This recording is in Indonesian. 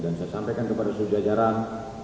dan saya sampaikan kepada sejajaran